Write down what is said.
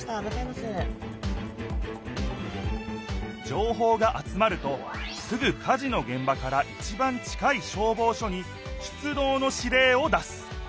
情報が集まるとすぐ火事のげん場からいちばん近い消防署に出どうの指令を出す。